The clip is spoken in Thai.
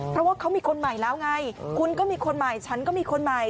เพราะว่าเขามีคนใหม่แล้วไงคุณก็มีคนใหม่ฉันก็มีคนใหม่